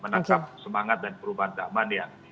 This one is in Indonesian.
menangkap semangat dan perubahan zaman yang